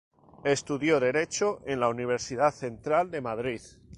Estudió Derecho en la Universidad Central de Madrid.